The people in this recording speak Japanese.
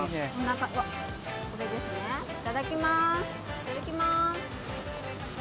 いただきます。